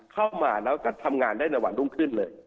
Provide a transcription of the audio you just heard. เข้ามาแล้วก็ทำงานได้ระหว่างต้องขึ้นเลย